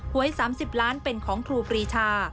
หวย๓๐ล้านเป็นของครูปรีชา